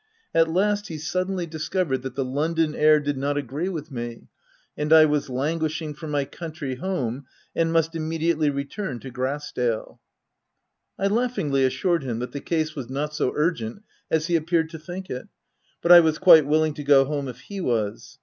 At last, he suddenly discovered OF WILDFELL HALL. 101 that the London air did not agree with me, and I was languishing for my country home and must immediately return to Grass dale. I laughingly assured him that the case w T as not so urgent as he appeared to think it, but I was quite willing to go home if he was.